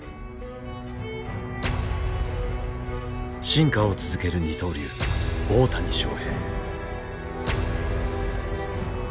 進化を続ける二刀流大谷翔平。